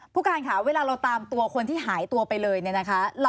ผู้การค่ะเวลาเราตามตัวคนที่หายตัวไปเลยเนี่ยนะคะ